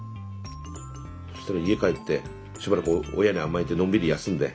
そしたら家帰ってしばらく親に甘えてのんびり休んで。